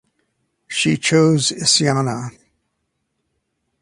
She "chose" Isyana.